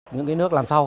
những cái nước làm sao